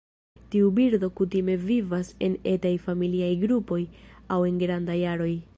Tiu birdo kutime vivas en etaj familiaj grupoj aŭ en grandaj aroj.